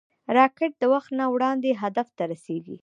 راکټ د وخت نه وړاندې هدف ته رسېږي